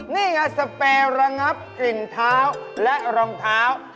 นี่ไงสเปรระงับกลิ่นเท้าและรองเท้า